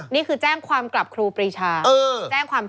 นี่คือแจ้งความกลับครูปริชา